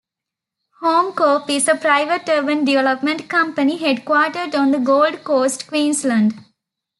HomeCorp is a private urban development company headquartered on the Gold Coast, Queensland.